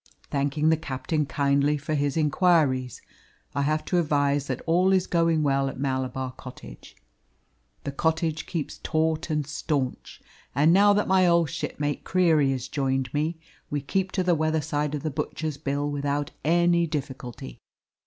Thanking the captain kindly for his inquiries, I have to advise that all is going well at Malabar Cottage. The cottage keeps taut and staunch; and now that my old shipmate Creary has joined me, we keep to the weather side of the butcher's bill without any difficulty.